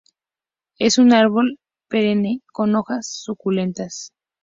Es una árbol perenne con hojas suculentas.